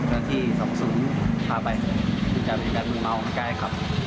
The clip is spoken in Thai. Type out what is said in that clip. ที่ที่สองศูนย์พาไปมีการดูเมาส์มีการให้ขับ